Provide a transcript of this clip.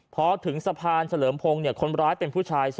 พอถึงสะพานเฉลิมพงศ์คนร้ายเป็นผู้ชาย